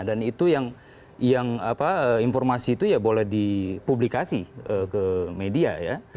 dan itu yang informasi itu boleh dipublikasi ke media